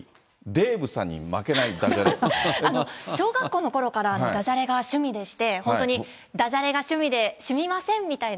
特技、小学校のころから、ダジャレが趣味でして、本当にダシャレが趣味でしゅみませんみたいな。